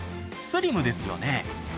スリムですよね。